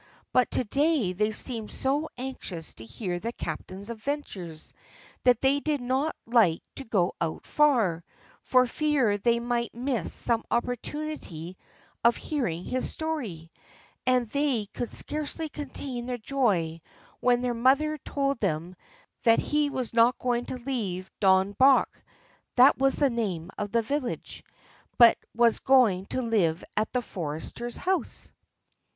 But to day they seemed so anxious to hear the captain's adventures, that they did not like to go out far, for fear they might miss some opportunity of hearing his story; and they could scarcely contain their joy when their mother told them that he was not going to leave Dornbach (that was the name of the village), but was going to live at the forester's house.